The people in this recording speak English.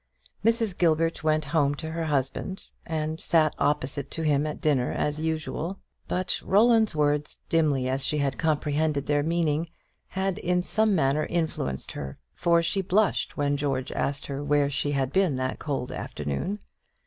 Mrs. Gilbert went home to her husband, and sat opposite to him at dinner as usual; but Roland's words, dimly as she had comprehended their meaning, had in some manner influenced her, for she blushed when George asked her where she had been that cold afternoon.